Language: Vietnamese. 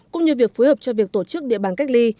cũng như việc phối hợp cho việc tổ chức địa bàn cách ly